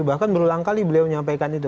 bahkan berulang kali beliau menyampaikan itu